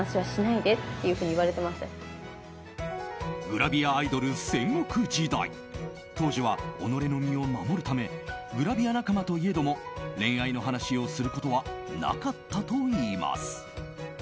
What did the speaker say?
グラビアアイドル戦国時代当時は己の身を守るためグラビア仲間といえども恋愛の話をすることはなかったといいます。